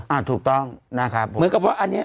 ถูกต้องนะครับเหมือนกับว่าอันนี้